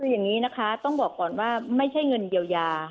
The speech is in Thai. คืออย่างนี้นะคะต้องบอกก่อนว่าไม่ใช่เงินเยียวยา